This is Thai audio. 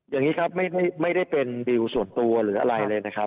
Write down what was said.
อย่างนี้ครับไม่ได้เป็นดิวส่วนตัวหรืออะไรเลยนะครับ